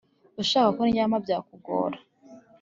ushaka ko ndyama byakugora